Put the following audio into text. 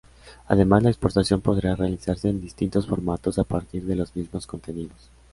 Además la exportación podrá realizarse en distintos formatos a partir de los mismos contenidos.